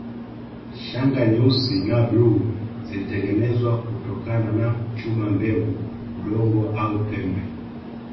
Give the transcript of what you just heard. Shanga nyeusi na bluu zilitengenezwa kutokana na chuma mbegu udongo au pembe